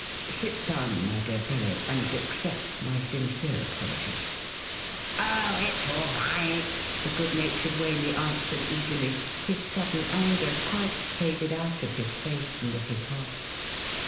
Sit down, my dear fellow, and accept my sincere apologies.' ' Oh, it's all right,' the good natured Waley answered eagerly, his sudden anger quite faded out of his face and of his heart.